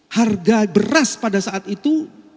harga beras pada saat itu